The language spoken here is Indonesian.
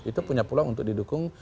itu punya peluang untuk didukung